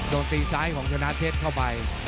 โดนตีซ้ายของชนะเพชรเข้าไป